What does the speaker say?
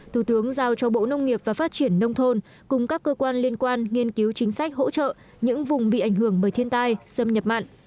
thủ tướng giao cho bộ nông nghiệp và phát triển nông thôn cùng các cơ quan liên quan nghiên cứu chính sách hỗ trợ những vùng bị ảnh hưởng bởi thiên tai xâm nhập mặn